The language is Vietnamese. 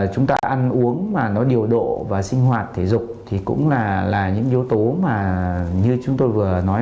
chúng ta ăn uống mà nó điều độ và sinh hoạt thể dục thì cũng là những yếu tố mà như chúng tôi vừa nói